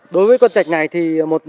đối với con trạch này thì một